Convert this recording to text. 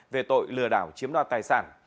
về tội lừa đảo chiếm đoạt tài sản